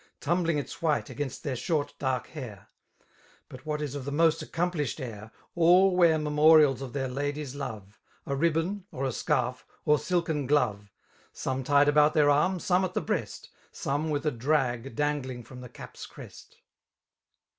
Tumbling its.white.against their short dark hair; But what is of. the most aecompUBhed air. All wear memodids of their laify's love, A ribbon, or a scarf, or silken glove. 14 Some tied about their arm, a«Hne at tbe breast. Some, i¥ith a drag, dangUng from the cap's crest.